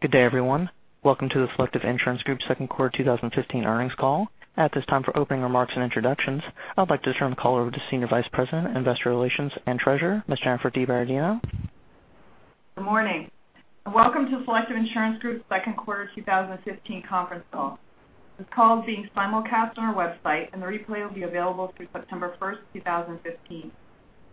Good day, everyone. Welcome to the Selective Insurance Group second quarter 2015 earnings call. At this time, for opening remarks and introductions, I'd like to turn the call over to Senior Vice President, Investor Relations and Treasurer, Ms. Jennifer DiBiase. Good morning. Welcome to Selective Insurance Group's second quarter 2015 conference call. This call is being simulcast on our website, and the replay will be available through September 1st, 2015.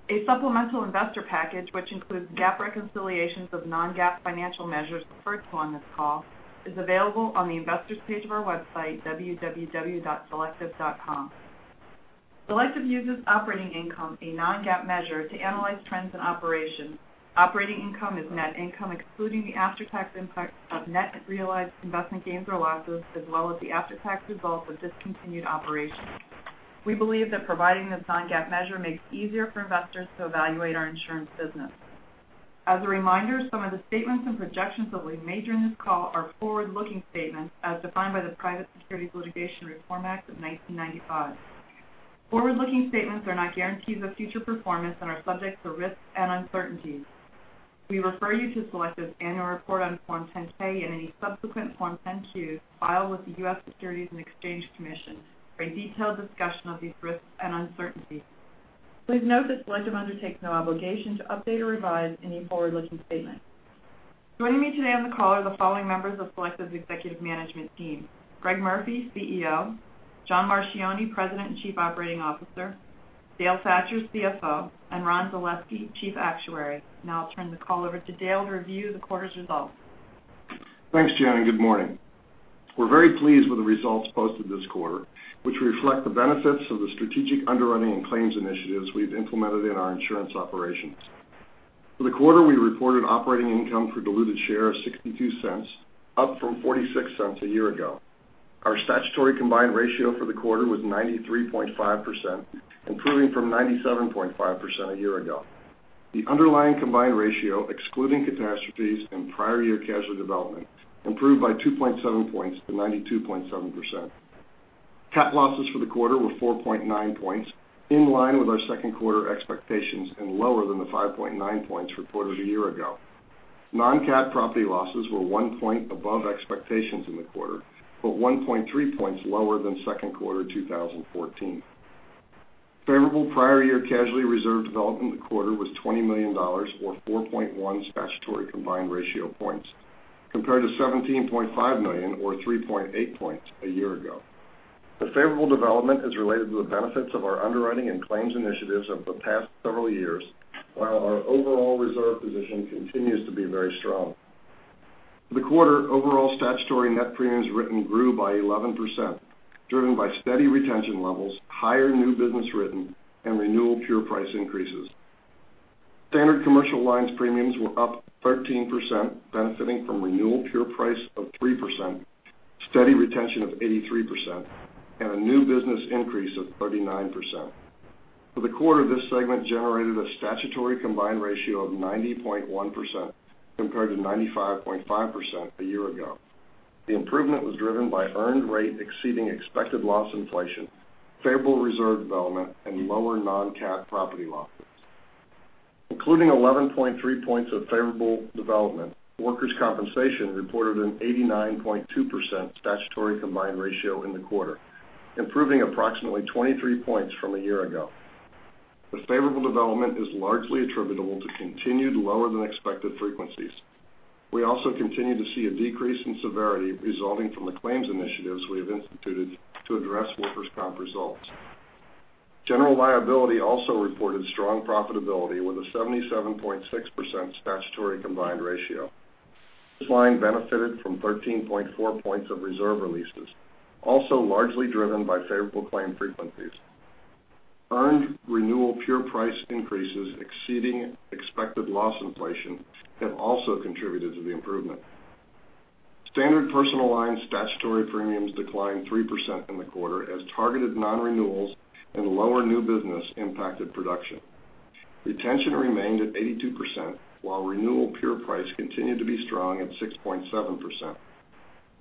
A supplemental investor package, which includes GAAP reconciliations of non-GAAP financial measures referred to on this call, is available on the Investors page of our website, www.selective.com. Selective uses operating income, a non-GAAP measure, to analyze trends in operations. Operating income is net income excluding the after-tax impact of net realized investment gains or losses, as well as the after-tax results of discontinued operations. We believe that providing this non-GAAP measure makes it easier for investors to evaluate our insurance business. As a reminder, some of the statements and projections that we've made during this call are forward-looking statements as defined by the Private Securities Litigation Reform Act of 1995. Forward-looking statements are not guarantees of future performance and are subject to risks and uncertainties. We refer you to Selective's annual report on Form 10-K and any subsequent Form 10-Qs filed with the U.S. Securities and Exchange Commission for a detailed discussion of these risks and uncertainties. Please note that Selective undertakes no obligation to update or revise any forward-looking statements. Joining me today on the call are the following members of Selective's executive management team: Greg Murphy, CEO; John Marchioni, President and Chief Operating Officer; Dale Thatcher, CFO; and Ron Zalesky, Chief Actuary. Now I'll turn the call over to Dale to review the quarter's results. Thanks, Jen, and good morning. We're very pleased with the results posted this quarter, which reflect the benefits of the strategic underwriting and claims initiatives we've implemented in our insurance operations. For the quarter, we reported operating income for diluted share of $0.62, up from $0.46 a year ago. Our statutory combined ratio for the quarter was 93.5%, improving from 97.5% a year ago. The underlying combined ratio, excluding catastrophes and prior year casualty development, improved by 2.7 points to 92.7%. Cat losses for the quarter were 4.9 points, in line with our second quarter expectations and lower than the 5.9 points reported a year ago. Non-cat property losses were one point above expectations in the quarter, but 1.3 points lower than second quarter 2014. Favorable prior year casualty reserve development in the quarter was $20 million, or 4.1 statutory combined ratio points, compared to $17.5 million or 3.8 points a year ago. The favorable development is related to the benefits of our underwriting and claims initiatives of the past several years, while our overall reserve position continues to be very strong. For the quarter, overall statutory net premiums written grew by 11%, driven by steady retention levels, higher new business written, and renewal pure price increases. Standard Commercial Lines premiums were up 13%, benefiting from renewal pure price of 3%, steady retention of 83%, and a new business increase of 39%. For the quarter, this segment generated a statutory combined ratio of 90.1% compared to 95.5% a year ago. The improvement was driven by earned rate exceeding expected loss inflation, favorable reserve development, and lower non-cat property losses. Including 11.3 points of favorable development, Workers' Compensation reported an 89.2% statutory combined ratio in the quarter, improving approximately 23 points from a year ago. The favorable development is largely attributable to continued lower-than-expected frequencies. We also continue to see a decrease in severity resulting from the claims initiatives we have instituted to address Workers' Comp results. General Liability also reported strong profitability with a 77.6% statutory combined ratio. This line benefited from 13.4 points of reserve releases, also largely driven by favorable claim frequencies. Earned renewal pure price increases exceeding expected loss inflation have also contributed to the improvement. Standard Personal Lines statutory premiums declined 3% in the quarter as targeted non-renewals and lower new business impacted production. Retention remained at 82%, while renewal pure price continued to be strong at 6.7%.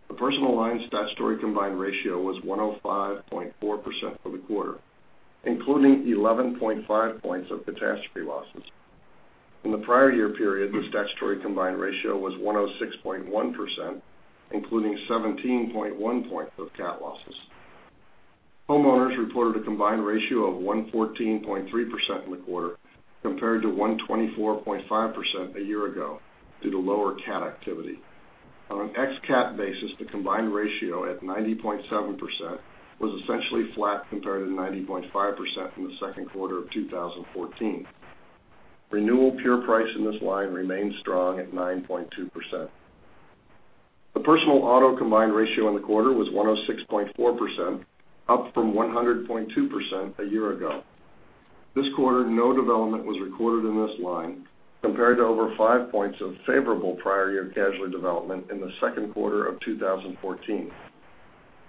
The Personal Lines statutory combined ratio was 105.4% for the quarter, including 11.5 points of catastrophe losses. In the prior year period, the statutory combined ratio was 106.1%, including 17.1 points of cat losses. Homeowners reported a combined ratio of 114.3% in the quarter, compared to 124.5% a year ago due to lower cat activity. On an ex-cat basis, the combined ratio at 90.7% was essentially flat compared to 90.5% from the second quarter of 2014. Renewal pure price in this line remained strong at 9.2%. The Personal Auto combined ratio in the quarter was 106.4%, up from 100.2% a year ago. This quarter, no development was recorded in this line, compared to over five points of favorable prior year casualty development in the second quarter of 2014.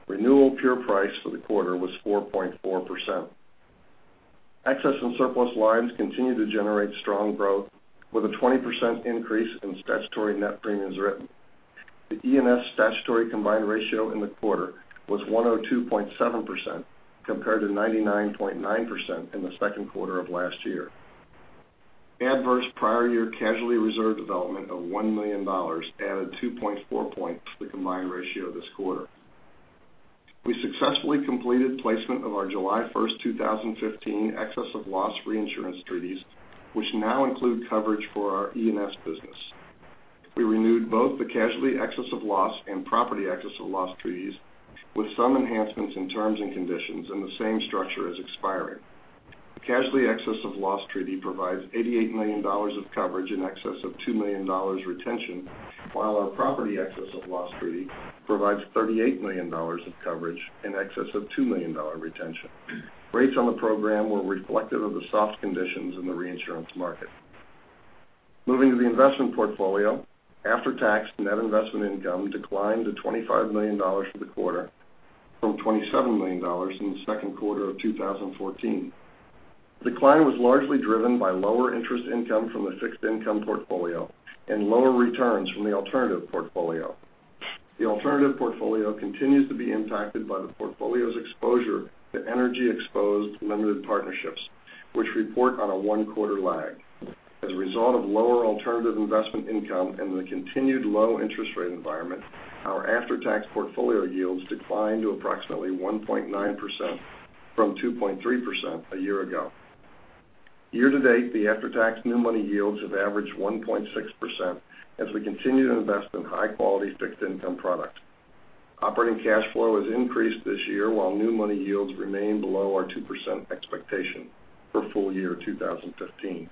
Renewal pure price for the quarter was 4.4%. Excess and Surplus Lines continued to generate strong growth with a 20% increase in statutory net premiums written. The E&S statutory combined ratio in the quarter was 102.7%, compared to 99.9% in the second quarter of last year. Adverse prior year casualty reserve development of $1 million added 2.4 points to the combined ratio this quarter. We successfully completed placement of our July 1, 2015 excess of loss reinsurance treaties, which now include coverage for our E&S business. We renewed both the casualty excess of loss and property excess of loss treaties with some enhancements in terms and conditions in the same structure as expiring. Casualty excess of loss treaty provides $88 million of coverage in excess of $2 million retention, while our property excess of loss treaty provides $38 million of coverage in excess of $2 million retention. Rates on the program were reflective of the soft conditions in the reinsurance market. Moving to the investment portfolio. After-tax net investment income declined to $25 million for the quarter from $27 million in the second quarter of 2014. The decline was largely driven by lower interest income from the fixed income portfolio and lower returns from the alternative portfolio. The alternative portfolio continues to be impacted by the portfolio's exposure to energy-exposed limited partnerships, which report on a one-quarter lag. As a result of lower alternative investment income and the continued low interest rate environment, our after-tax portfolio yields declined to approximately 1.9% from 2.3% a year ago. Year to date, the after-tax new money yields have averaged 1.6% as we continue to invest in high-quality fixed income product. Operating cash flow has increased this year, while new money yields remain below our 2% expectation for full year 2015.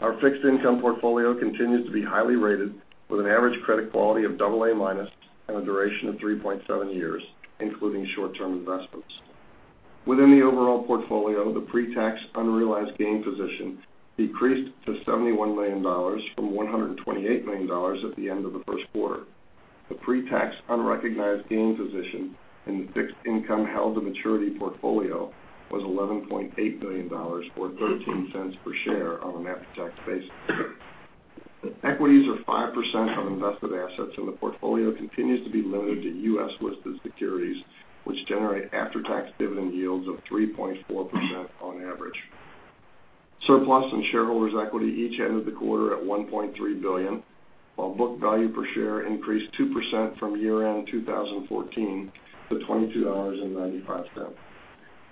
Our fixed income portfolio continues to be highly rated, with an average credit quality of double A minus and a duration of 3.7 years, including short-term investments. Within the overall portfolio, the pre-tax unrealized gain position decreased to $71 million from $128 million at the end of the first quarter. The pre-tax unrecognized gains position in the fixed income held the maturity portfolio was $11.8 million or $0.13 per share on an after-tax basis. Equities are 5% on invested assets, and the portfolio continues to be limited to U.S.-listed securities, which generate after-tax dividend yields of 3.4% on average. Surplus and shareholders' equity each ended the quarter at $1.3 billion, while book value per share increased 2% from year-end 2014 to $22.95.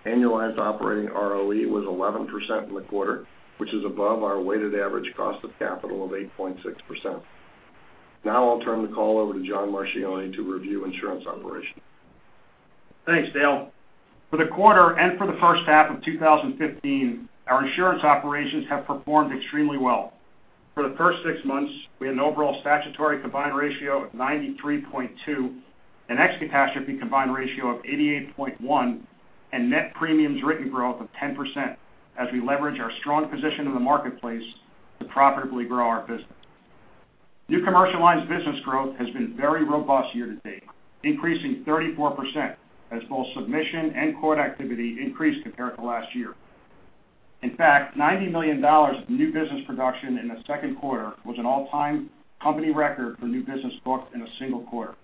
Annualized operating ROE was 11% in the quarter, which is above our weighted average cost of capital of 8.6%. I'll turn the call over to John Marchioni to review insurance operations. Thanks, Dale. For the quarter and for the first half of 2015, our insurance operations have performed extremely well. For the first six months, we had an overall statutory combined ratio of 93.2, an ex-catastrophe combined ratio of 88.1, and net premiums written growth of 10% as we leverage our strong position in the marketplace to profitably grow our business. New Commercial Lines business growth has been very robust year to date, increasing 34% as both submission and quote activity increased compared to last year. In fact, $90 million of new business production in the second quarter was an all-time company record for new business booked in a single quarter.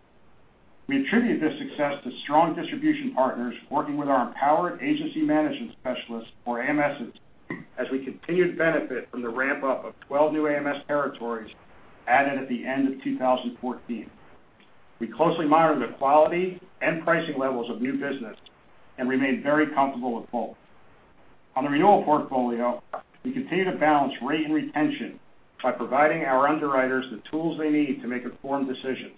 We attribute this success to strong distribution partners working with our empowered Agency Management Specialists or AMSs as we continued to benefit from the ramp-up of 12 new AMS territories added at the end of 2014. We closely monitor the quality and pricing levels of new business and remain very comfortable with both. On the renewal portfolio, we continue to balance rate and retention by providing our underwriters the tools they need to make informed decisions.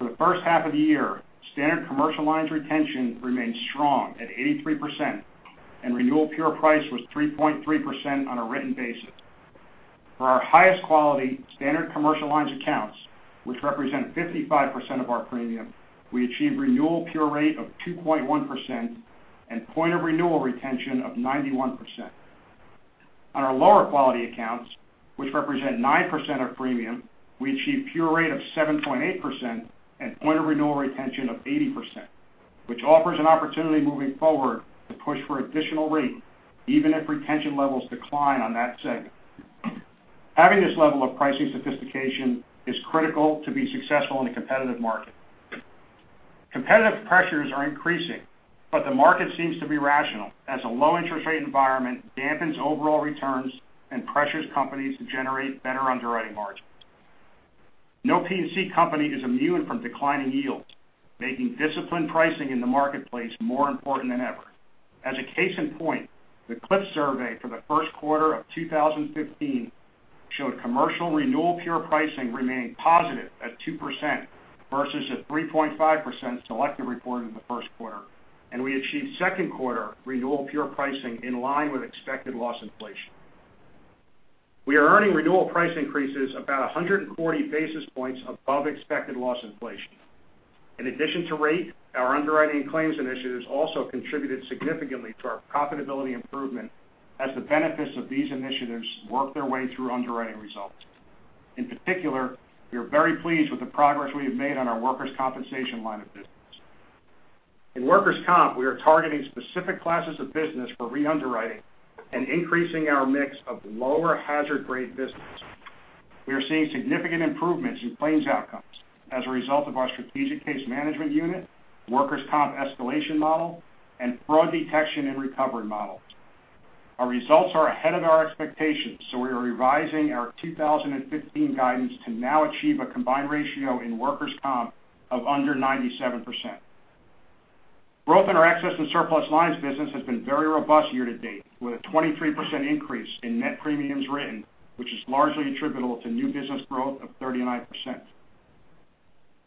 For the first half of the year, Standard Commercial Lines retention remained strong at 83%, and renewal pure price was 3.3% on a written basis. For our highest quality Standard Commercial Lines accounts, which represent 55% of our premium, we achieved a renewal pure rate of 2.1% and point of renewal retention of 91%. On our lower quality accounts, which represent 9% of premium, we achieved a pure rate of 7.8% and point of renewal retention of 80%, which offers an opportunity moving forward to push for additional rate even if retention levels decline on that segment. Having this level of pricing sophistication is critical to be successful in a competitive market. Competitive pressures are increasing, but the market seems to be rational as a low interest rate environment dampens overall returns and pressures companies to generate better underwriting margins. No P&C company is immune from declining yields, making disciplined pricing in the marketplace more important than ever. As a case in point, the CIAB Survey for the first quarter of 2015 showed commercial renewal pure pricing remained positive at 2% versus a 3.5% Selective reported in the first quarter, and we achieved second quarter renewal pure pricing in line with expected loss inflation. We are earning renewal price increases about 140 basis points above expected loss inflation. In addition to rate, our underwriting and claims initiatives also contributed significantly to our profitability improvement as the benefits of these initiatives work their way through underwriting results. In particular, we are very pleased with the progress we have made on our Workers' Compensation line of business. In Workers' Comp, we are targeting specific classes of business for re-underwriting and increasing our mix of lower hazard grade business. We are seeing significant improvements in claims outcomes as a result of our strategic case management unit, Workers' Comp escalation model, and fraud detection and recovery models. Our results are ahead of our expectations, we are revising our 2015 guidance to now achieve a combined ratio in Workers' Comp of under 97%. Growth in our Excess and Surplus Lines business has been very robust year to date, with a 23% increase in net premiums written, which is largely attributable to new business growth of 39%.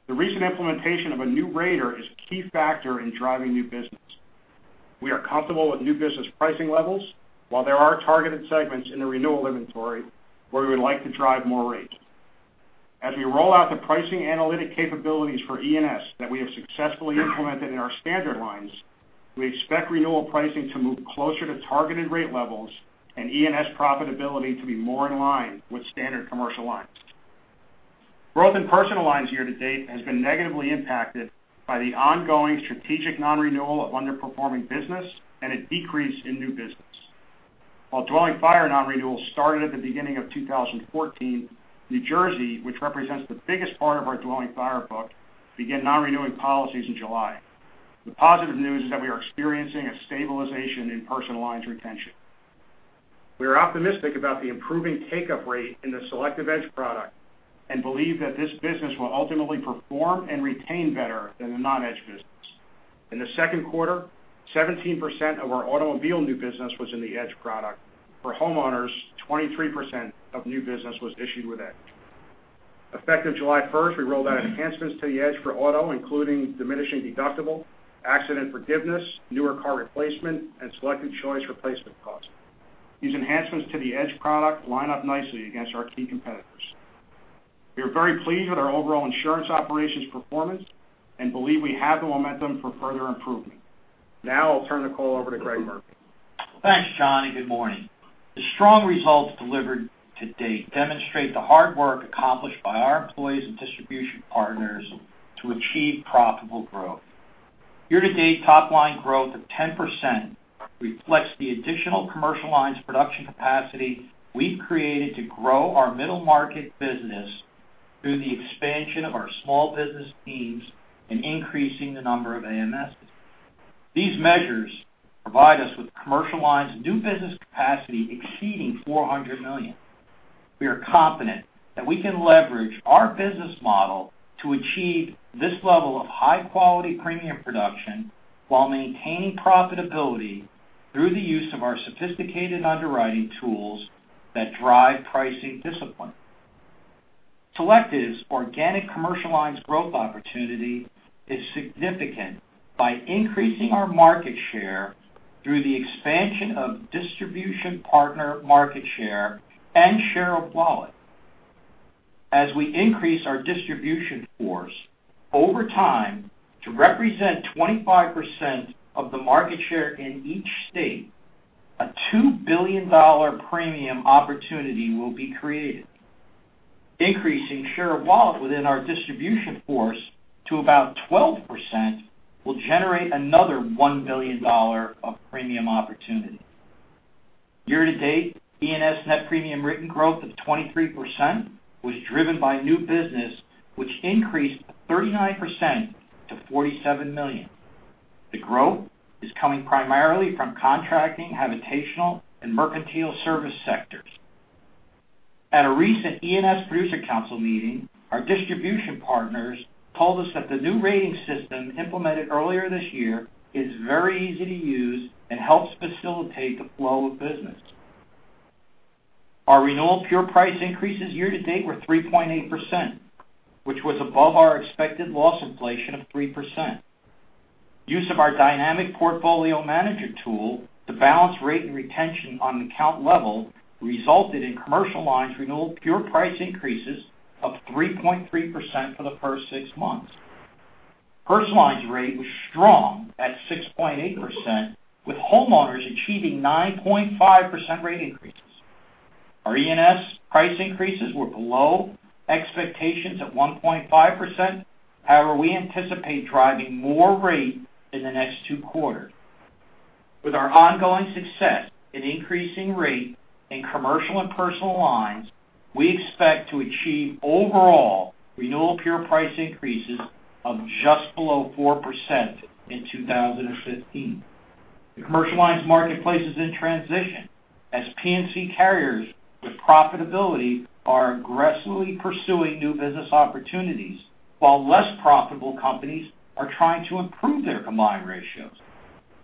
The recent implementation of a new rater is a key factor in driving new business. We are comfortable with new business pricing levels, while there are targeted segments in the renewal inventory where we would like to drive more rate. As we roll out the pricing analytic capabilities for E&S that we have successfully implemented in our Standard Lines, we expect renewal pricing to move closer to targeted rate levels and E&S profitability to be more in line with Standard Commercial Lines. Growth in Personal Lines year to date has been negatively impacted by the ongoing strategic non-renewal of underperforming business and a decrease in new business. While dwelling fire non-renewal started at the beginning of 2014, New Jersey, which represents the biggest part of our dwelling fire book, began non-renewing policies in July. The positive news is that we are experiencing a stabilization in Personal Lines retention. We are optimistic about the improving take-up rate in the Selective Edge product and believe that this business will ultimately perform and retain better than the non-Edge business. In the second quarter, 17% of our automobile new business was in the Edge product. For homeowners, 23% of new business was issued with Edge. Effective July 1st, we rolled out enhancements to the Edge for auto, including diminishing deductible, accident forgiveness, newer car replacement, and selected choice replacement cost. These enhancements to the Edge product line up nicely against our key competitors. We are very pleased with our overall insurance operations performance and believe we have the momentum for further improvement. Now I'll turn the call over to Greg Murphy. Thanks, John, and good morning. The strong results delivered to date demonstrate the hard work accomplished by our employees and distribution partners to achieve profitable growth. Year to date, top line growth of 10% reflects the additional Commercial Lines production capacity we've created to grow our middle-market business through the expansion of our small business teams and increasing the number of AMSs. These measures provide us with Commercial Lines new business capacity exceeding $400 million. We are confident that we can leverage our business model to achieve this level of high-quality premium production while maintaining profitability through the use of our sophisticated underwriting tools that drive pricing discipline. Selective's organic Commercial Lines growth opportunity is significant by increasing our market share through the expansion of distribution partner market share and share of wallet. As we increase our distribution force over time to represent 25% of the market share in each state, a $2 billion premium opportunity will be created. Increasing share of wallet within our distribution force to about 12% will generate another $1 billion of premium opportunity. Year to date, E&S net premium written growth of 23% was driven by new business, which increased 39% to $47 million. The growth is coming primarily from contracting, habitational, and mercantile service sectors. At a recent E&S producer council meeting, our distribution partners told us that the new rating system implemented earlier this year is very easy to use and helps facilitate the flow of business. Our renewal pure price increases year to date were 3.8%, which was above our expected loss inflation of 3%. Use of our dynamic portfolio manager tool to balance rate and retention on an account level resulted in Commercial Lines renewal pure price increases of 3.3% for the first six months. Personal Lines rate was strong at 6.8%, with homeowners achieving 9.5% rate increases. Our E&S price increases were below expectations of 1.5%. We anticipate driving more rate in the next two quarters. With our ongoing success in increasing rate in Commercial and Personal Lines, we expect to achieve overall renewal pure price increases of just below 4% in 2015. The Commercial Lines marketplace is in transition as P&C carriers with profitability are aggressively pursuing new business opportunities while less profitable companies are trying to improve their combined ratios.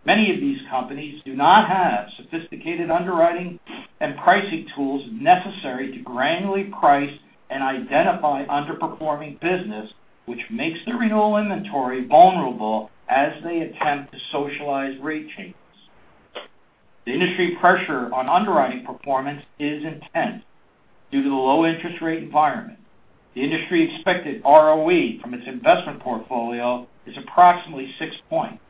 Many of these companies do not have sophisticated underwriting and pricing tools necessary to granularly price and identify underperforming business, which makes the renewal inventory vulnerable as they attempt to socialize rate changes. The industry pressure on underwriting performance is intense due to the low interest rate environment. The industry expected ROE from its investment portfolio is approximately six points,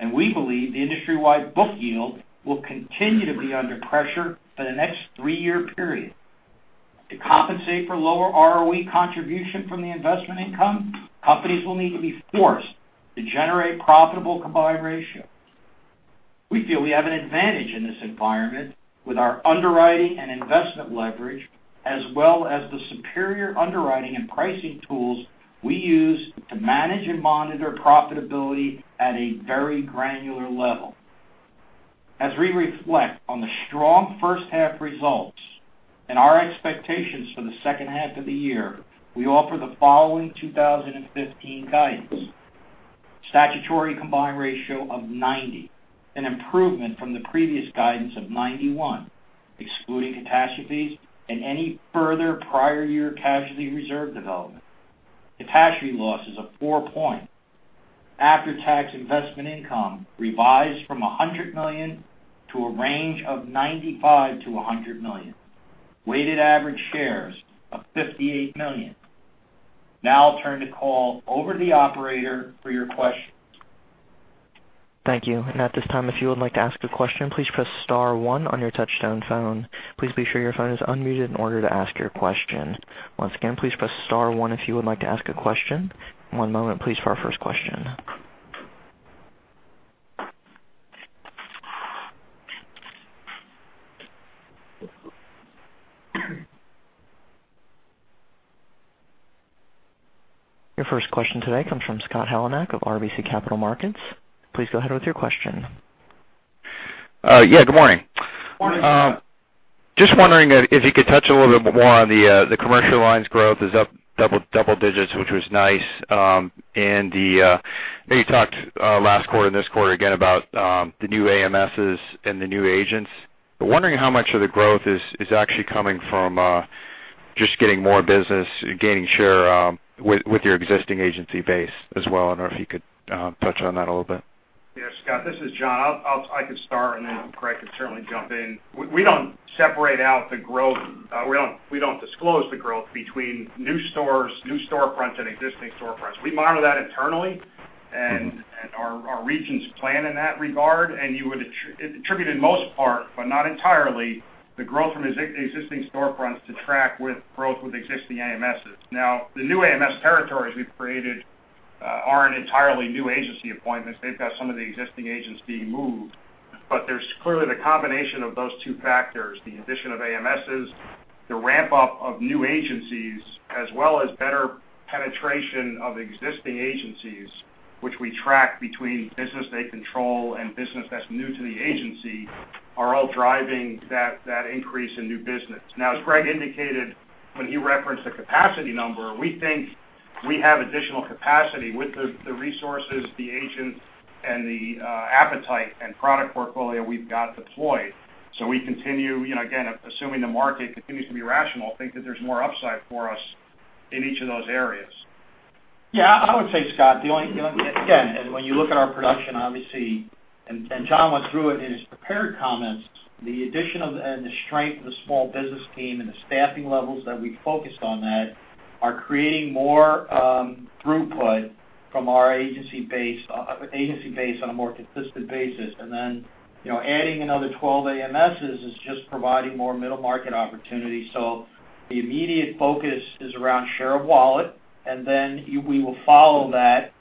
and we believe the industry-wide book yield will continue to be under pressure for the next three-year period. To compensate for lower ROE contribution from the investment income, companies will need to be forced to generate profitable combined ratio We feel we have an advantage in this environment with our underwriting and investment leverage, as well as the superior underwriting and pricing tools we use to manage and monitor profitability at a very granular level. As we reflect on the strong first half results and our expectations for the second half of the year, we offer the following 2015 guidance. Statutory combined ratio of 90, an improvement from the previous guidance of 91, excluding catastrophes and any further prior year casualty reserve development. Catastrophe losses of four points. After-tax investment income revised from $100 million to a range of $95 million-$100 million. Weighted average shares of 58 million. I'll turn the call over to the operator for your questions. Thank you. At this time, if you would like to ask a question, please press star one on your touch-tone phone. Please be sure your phone is unmuted in order to ask your question. Once again, please press star one if you would like to ask a question. One moment, please, for our first question. Your first question today comes from Scott Heleniak of RBC Capital Markets. Please go ahead with your question. Yeah, good morning. Morning. Just wondering if you could touch a little bit more on the Commercial Lines growth is up double digits, which was nice. You talked last quarter and this quarter again about the new AMSs and the new agents. Wondering how much of the growth is actually coming from just getting more business, gaining share with your existing agency base as well, and if you could touch on that a little bit. Yeah, Scott, this is John. I could start, Greg could certainly jump in. We don't disclose the growth between new storefronts and existing storefronts. We monitor that internally and our regions plan in that regard, and you would attribute, in most part, but not entirely, the growth from existing storefronts to track with growth with existing AMSs. The new AMS territories we've created aren't entirely new agency appointments. They've got some of the existing agents being moved. There's clearly the combination of those two factors, the addition of AMSs, the ramp-up of new agencies, as well as better penetration of existing agencies, which we track between business they control and business that's new to the agency, are all driving that increase in new business. As Greg indicated when he referenced the capacity number, we think we have additional capacity with the resources, the agents, and the appetite and product portfolio we've got deployed. We continue, again, assuming the market continues to be rational, think that there's more upside for us in each of those areas. I would say, Scott, again, when you look at our production, obviously, John went through it in his prepared comments, the addition of and the strength of the small business team and the staffing levels that we focused on that are creating more throughput from our agency base on a more consistent basis. Adding another 12 AMSs is just providing more middle market opportunity. The immediate focus is around share of wallet, we will follow that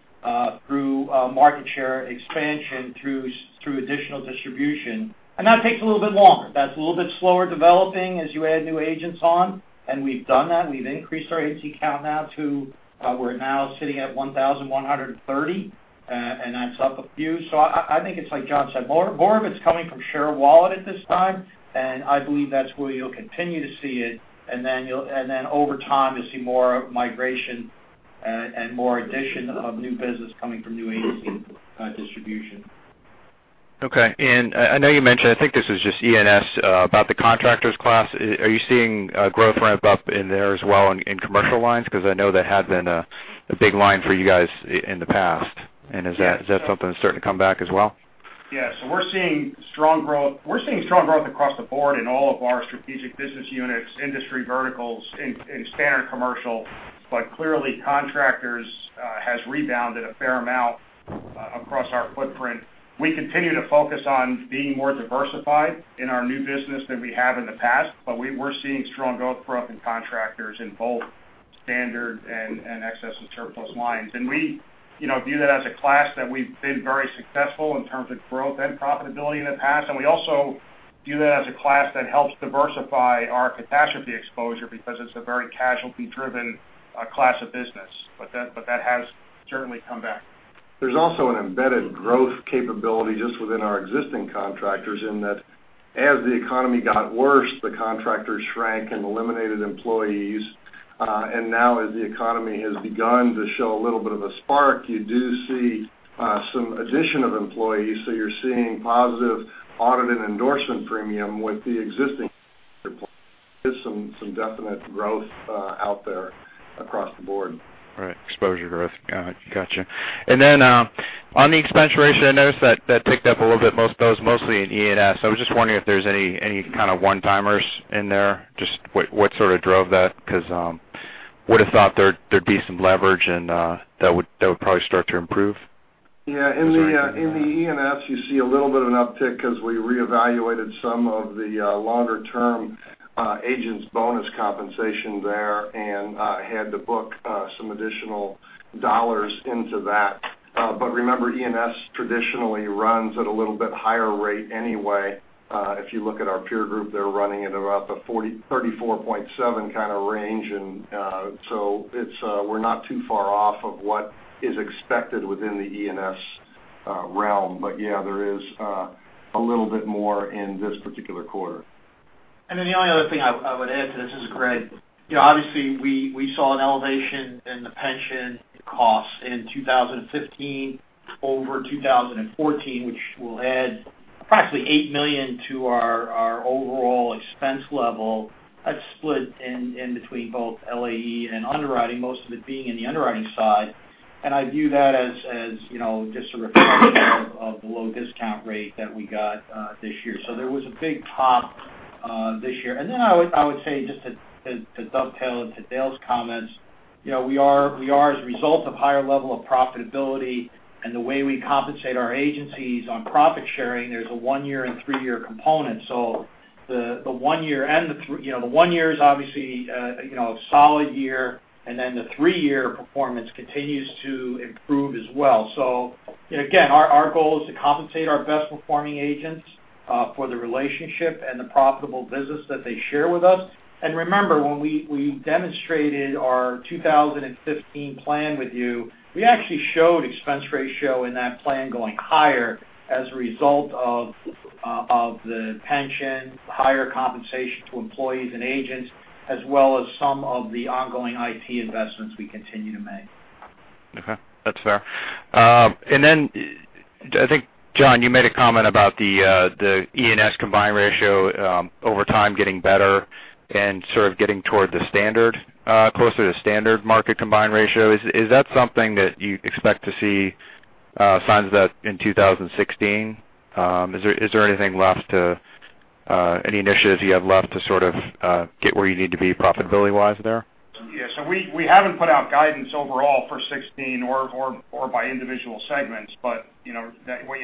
through market share expansion through additional distribution. That takes a little bit longer. That's a little bit slower developing as you add new agents on, and we've done that. We've increased our agency count now to we're now sitting at 1,130, and that's up a few. I think it's like John said, more of it's coming from share of wallet at this time. I believe that's where you'll continue to see it. Over time, you'll see more migration and more addition of new business coming from new agency distribution. Okay. I know you mentioned, I think this is just E&S, about the contractors class. Are you seeing growth ramp up in there as well in Commercial Lines? I know that had been a big line for you guys in the past. Is that something that's starting to come back as well? Yeah. We're seeing strong growth across the board in all of our strategic business units, industry verticals, in Standard Commercial. Clearly contractors has rebounded a fair amount across our footprint. We continue to focus on being more diversified in our new business than we have in the past. We're seeing strong growth for up in contractors in both standard and Excess and Surplus Lines. We view that as a class that we've been very successful in terms of growth and profitability in the past. We also view that as a class that helps diversify our catastrophe exposure because it's a very casualty-driven class of business. That has certainly come back. There's also an embedded growth capability just within our existing contractors in that as the economy got worse, the contractors shrank and eliminated employees. Now as the economy has begun to show a little bit of a spark, you do see some addition of employees. You're seeing positive audit and endorsement premium. There's some definite growth out there across the board. Right. Exposure growth. Gotcha. On the expense ratio, I noticed that that ticked up a little bit, most of those mostly in E&S. I was just wondering if there's any kind of one-timers in there, just what sort of drove that? Would've thought there'd be some leverage and that would probably start to improve. Yeah. In the E&S, you see a little bit of an uptick because we reevaluated some of the longer term agents' bonus compensation there and had to book some additional dollars into that. Remember, E&S traditionally runs at a little bit higher rate anyway. If you look at our peer group, they're running at about the 34.7 kind of range. We're not too far off of what is expected within the E&S realm. Yeah, there is a little bit more in this particular quarter. The only other thing I would add to this is, Greg, obviously we saw an elevation in the pension costs in 2015 over 2014, which will add approximately $8 million to our overall expense level. That's split in between both LAE and underwriting, most of it being in the underwriting side. I view that as just a reflection of the low discount rate that we got this year. There was a big pop this year. I would say, just to dovetail into Dale's comments, we are, as a result of higher level of profitability and the way we compensate our agencies on profit sharing, there's a one-year and three-year component. The one-year is obviously a solid year, and then the three-year performance continues to improve as well. Again, our goal is to compensate our best performing agents for the relationship and the profitable business that they share with us. Remember, when we demonstrated our 2015 plan with you, we actually showed expense ratio in that plan going higher as a result of the pension, higher compensation to employees and agents, as well as some of the ongoing IT investments we continue to make. Okay. That's fair. I think, John, you made a comment about the E&S combined ratio over time getting better and sort of getting toward the standard, closer to standard market combined ratio. Is that something that you expect to see signs of that in 2016? Is there anything left, any initiatives you have left to sort of get where you need to be profitability wise there? We haven't put out guidance overall for 2016 or by individual segments. What you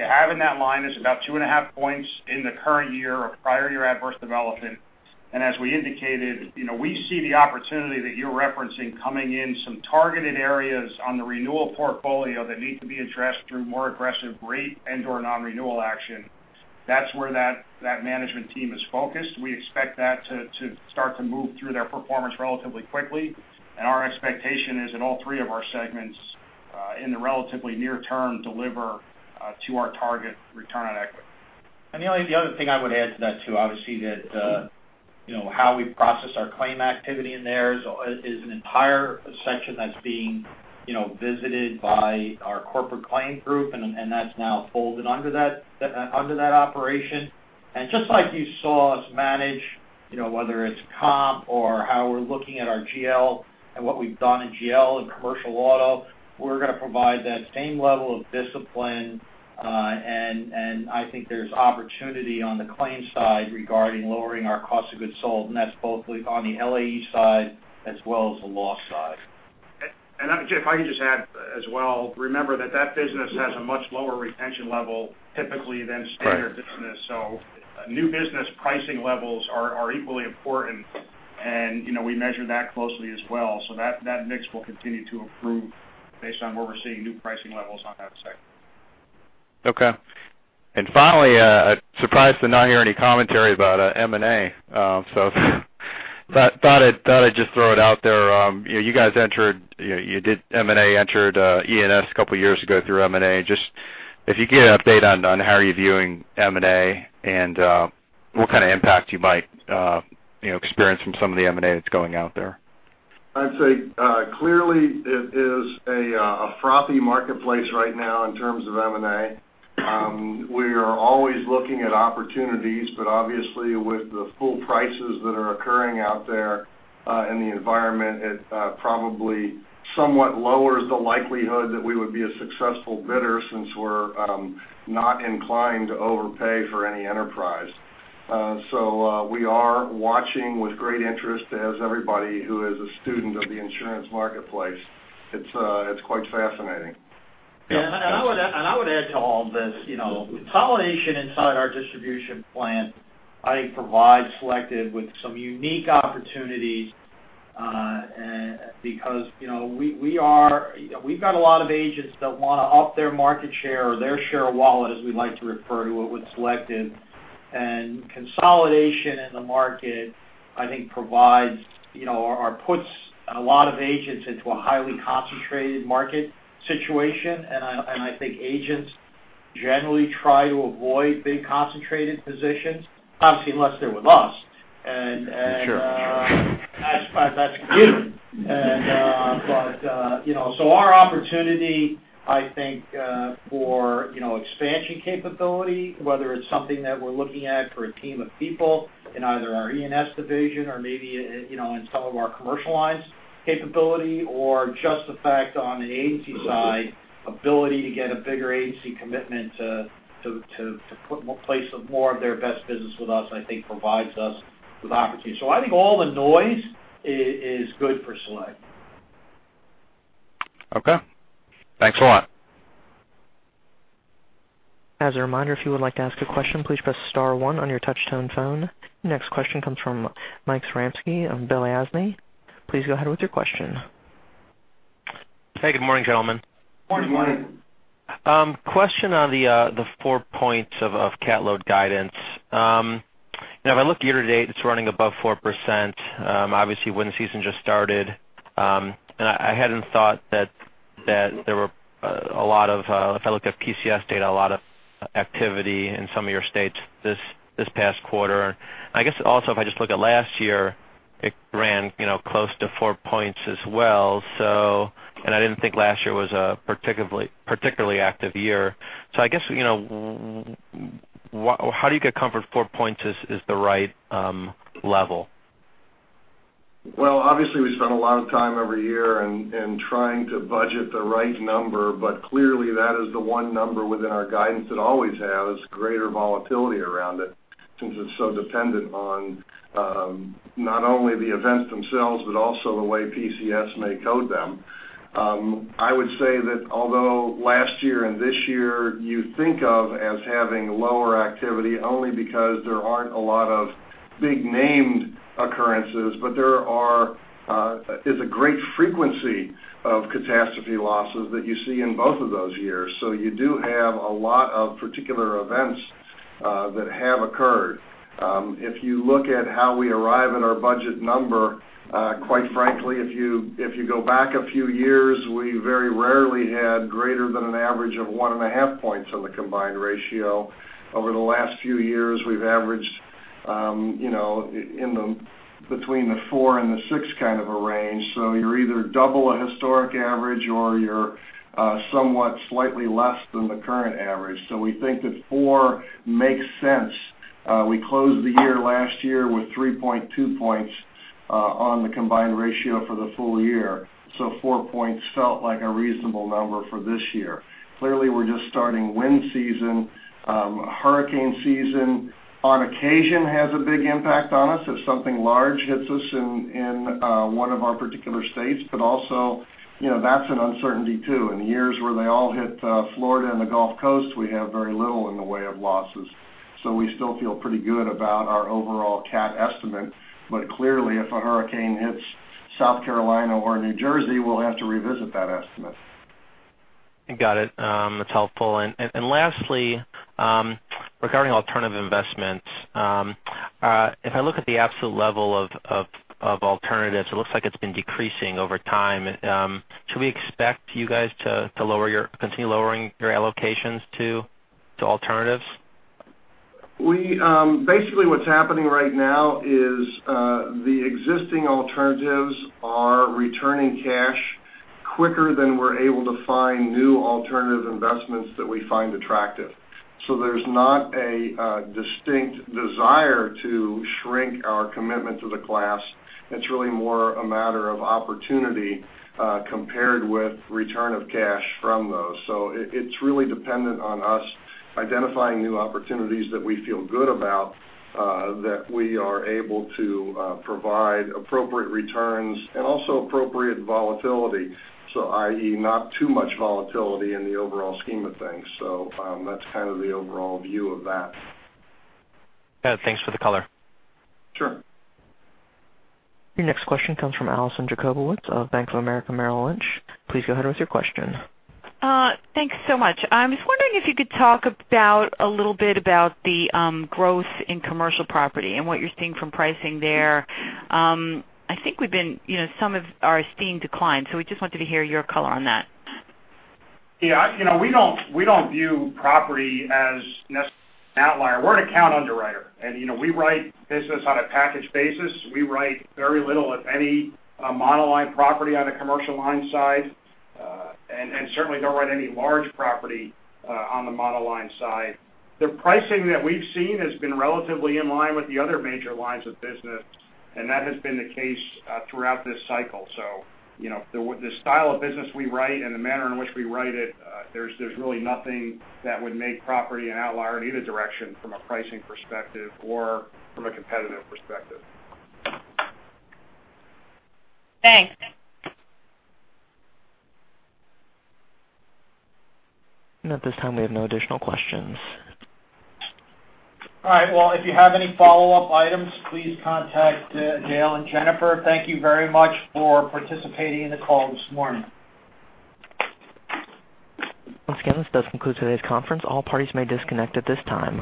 have in that line is about 2.5 points in the current year of prior year adverse development. As we indicated, we see the opportunity that you're referencing coming in some targeted areas on the renewal portfolio that need to be addressed through more aggressive rate and/or non-renewal action. That's where that management team is focused. We expect that to start to move through their performance relatively quickly. Our expectation is in all 3 of our segments, in the relatively near term, deliver to our target ROE. The only other thing I would add to that too, obviously, that how we process our claim activity in there is an entire section that's being visited by our corporate claim group, and that's now folded under that operation. Just like you saw us manage, whether it's comp or how we're looking at our GL and what we've done in GL and Commercial Auto, we're going to provide that same level of discipline. I think there's opportunity on the claims side regarding lowering our cost of goods sold, and that's both on the LAE side as well as the loss side. Jeff, if I could just add as well, remember that that business has a much lower retention level typically than standard business. Right. New business pricing levels are equally important, and we measure that closely as well. That mix will continue to improve based on where we're seeing new pricing levels on that segment. Okay. Finally, surprised to not hear any commentary about M&A. Thought I'd just throw it out there. You guys entered E&S a couple of years ago through M&A. Just if you could give an update on how you're viewing M&A and what kind of impact you might experience from some of the M&A that's going out there. I'd say clearly it is a frothy marketplace right now in terms of M&A. We are always looking at opportunities, but obviously with the full prices that are occurring out there in the environment, it probably somewhat lowers the likelihood that we would be a successful bidder, since we're not inclined to overpay for any enterprise. We are watching with great interest as everybody who is a student of the insurance marketplace. It's quite fascinating. Yeah. I would add to all this, consolidation inside our distribution plan, I think, provides Selective with some unique opportunities because we've got a lot of agents that want to up their market share or their share of wallet, as we like to refer to it with Selective. Consolidation in the market, I think, provides or puts a lot of agents into a highly concentrated market situation. I think agents generally try to avoid being concentrated positions, obviously, unless they're with us. Sure. That's you. Our opportunity I think for expansion capability, whether it's something that we're looking at for a team of people in either our E&S division or maybe in some of our commercial lines capability or just the fact on the agency side, ability to get a bigger agency commitment to place more of their best business with us, I think provides us with opportunity. I think all the noise is good for Selective. Okay. Thanks a lot. As a reminder, if you would like to ask a question, please press star one on your touch-tone phone. Next question comes from Mike Zaremski of Balyasny Asset Management. Please go ahead with your question. Hey, good morning, gentlemen. Morning. Question on the four points of cat load guidance. If I look year-to-date, it's running above 4%. Obviously, wind season just started. I hadn't thought that there were a lot of, if I look at PCS data, a lot of activity in some of your states this past quarter. I guess also, if I just look at last year, it ran close to four points as well. I didn't think last year was a particularly active year. I guess, how do you get comfort four points is the right level? Obviously, we spend a lot of time every year in trying to budget the right number, but clearly, that is the one number within our guidance that always has greater volatility around it since it's so dependent on not only the events themselves, but also the way PCS may code them. I would say that although last year and this year you think of as having lower activity only because there aren't a lot of big named occurrences, but there is a great frequency of catastrophe losses that you see in both of those years. You do have a lot of particular events that have occurred. If you look at how we arrive at our budget number, quite frankly, if you go back a few years, we very rarely had greater than an average of one and a half points on the combined ratio. Over the last few years, we've averaged between the four and the six kind of a range. You're either double a historic average or you're somewhat slightly less than the current average. We think that four makes sense. We closed the year last year with 3.2 points on the combined ratio for the full year. Four points felt like a reasonable number for this year. Clearly, we're just starting wind season. Hurricane season, on occasion, has a big impact on us if something large hits us in one of our particular states, but also, that's an uncertainty too. In years where they all hit Florida and the Gulf Coast, we have very little in the way of losses. We still feel pretty good about our overall cat estimate. Clearly, if a hurricane hits South Carolina or New Jersey, we'll have to revisit that estimate. Got it. That's helpful. Lastly, regarding alternative investments, if I look at the absolute level of alternatives, it looks like it's been decreasing over time. Should we expect you guys to continue lowering your allocations to alternatives? Basically what's happening right now is the existing alternatives are returning cash quicker than we're able to find new alternative investments that we find attractive. There's not a distinct desire to shrink our commitment to the class. It's really more a matter of opportunity compared with return of cash from those. It's really dependent on us identifying new opportunities that we feel good about, that we are able to provide appropriate returns and also appropriate volatility. I.e., not too much volatility in the overall scheme of things. That's kind of the overall view of that. Got it. Thanks for the color. Sure. Your next question comes from Alison Jacobowitz of Bank of America Merrill Lynch. Please go ahead with your question. Thanks so much. I was wondering if you could talk a little bit about the growth in Commercial Property and what you're seeing from pricing there. I think we've been, some of our esteem declined, we just wanted to hear your color on that. Yeah. We don't view property as necessarily an outlier. We're an account underwriter, and we write business on a package basis. We write very little of any monoline property on a Commercial Lines side, and certainly don't write any large property on the monoline side. The pricing that we've seen has been relatively in line with the other major lines of business, and that has been the case throughout this cycle. The style of business we write and the manner in which we write it, there's really nothing that would make property an outlier in either direction from a pricing perspective or from a competitive perspective. Thanks. At this time, we have no additional questions. All right. Well, if you have any follow-up items, please contact Dale and Jennifer. Thank you very much for participating in the call this morning. Once again, this does conclude today's conference. All parties may disconnect at this time.